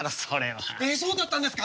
そうだったんですか？